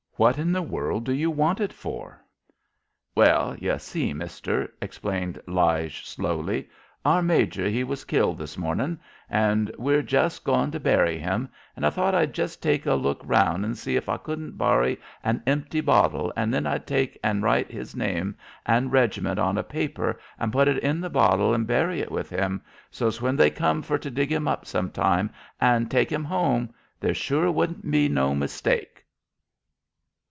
What in the world do you want it for?" "Well, ye see, mister," explained Lige, slowly, "our major he was killed this mornin' an' we're jes' goin' to bury him, an' I thought I'd jest take a look 'round an' see if I couldn't borry an empty bottle, an' then I'd take an' write his name an' reg'ment on a paper an' put it in th' bottle an' bury it with him, so's when they come fer to dig him up sometime an' take him home, there sure wouldn't be no mistake."